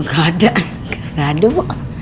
gak ada gak ada bu